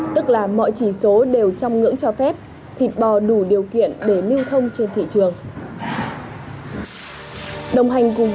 tức là mọi chỉ số đều trong ngưỡng cho phép thịt bò đủ điều kiện để lưu thông trên thị trường